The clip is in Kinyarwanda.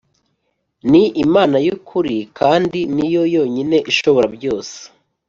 Ni Imana y ukuri kandi niyo yonyine ishobora byose